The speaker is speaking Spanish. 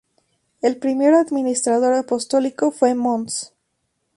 El primer administrador apostólico fue Mons.